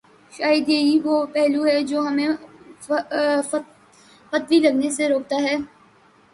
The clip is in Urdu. شاید یہی وہ پہلو ہے جو ہمیں فتوی لگانے سے روکتا ہے۔